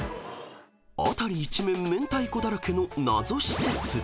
［辺り一面明太子だらけの謎施設］